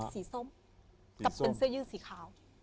ส้มกับเป็นเสื้อยืดสีขาว